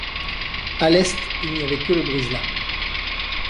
À l’est il n’y avait que le brise-lames.